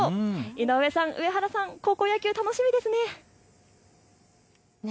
井上さん、上原さん、高校野球楽しみですね。